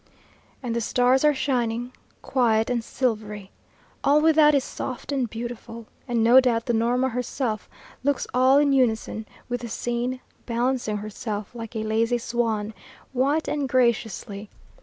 And the stars are shining, quiet and silvery. All without is soft and beautiful, and no doubt the Norma herself looks all in unison with the scene, balancing herself like a lazy swan, white and graciously.